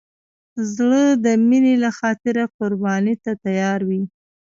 زړه د مینې له خاطره قرباني ته تیار وي.